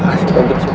baik ganjeng sunan